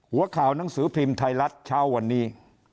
หัวข่าวหนังสือพิมพ์ไทยรัฐเช้าวันนี้